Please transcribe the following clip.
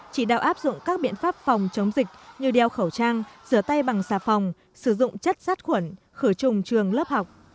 chỉ đạo áp dụng các biện pháp phòng chống dịch như đeo khẩu trang rửa tay bằng xà phòng sử dụng chất sát khuẩn khử trùng trường lớp học